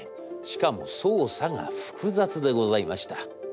しかも操作が複雑でございました。